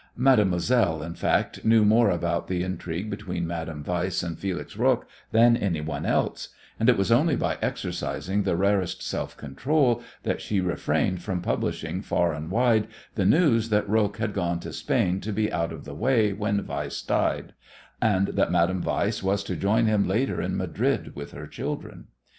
Mademoiselle, in fact, knew more about the intrigue between Madame Weiss and Felix Roques than anyone else, and it was only by exercising the rarest self control that she refrained from publishing far and wide the news that Roques had gone to Spain to be out of the way when Weiss died, and that Madame Weiss was to join him later in Madrid with her children.